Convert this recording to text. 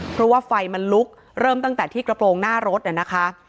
เพราะว่าไฟมันลุกเริ่มตั้งแต่ที่กระโปรงหน้ารถนะคะ